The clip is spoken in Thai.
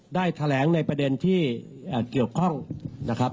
ได้แถลงในประเด็นที่เกี่ยวข้องนะครับ